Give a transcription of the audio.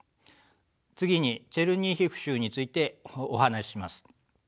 次にチェルニヒウ州についてお話しします。